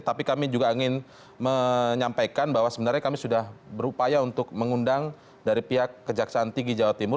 tapi kami juga ingin menyampaikan bahwa sebenarnya kami sudah berupaya untuk mengundang dari pihak kejaksaan tinggi jawa timur